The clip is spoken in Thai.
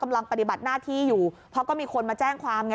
กำลังปฏิบัติหน้าที่อยู่เพราะก็มีคนมาแจ้งความไง